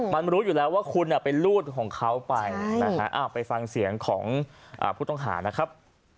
มันรู้อยู่แล้วว่าคุณเป็นลูกของเขาไปนะฮะไปฟังเสียงของผู้ต้องหานะครับ